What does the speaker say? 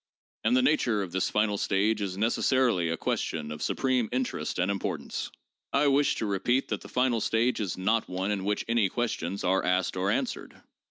And the nature of this final stage is necessarily a question of supreme interest and importance. I wish to repeat that the final stage is not one in which any questions are asked or answered.